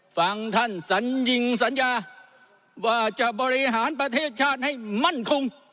ฟังท่านสัญญิงสัญญาว่าจะบริหารประเทศชาติให้มั่นคง